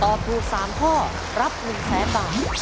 ตอบถูก๓ข้อรับ๑๐๐๐๐๐บาท